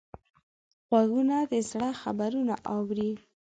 غوږونه د زړه خبرونه اوري